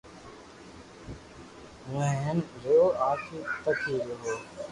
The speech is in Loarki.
ھون ھين رھيو آخري تڪ ھي رھيو ھون